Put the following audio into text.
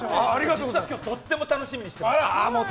実は今日とっても楽しみにしてた。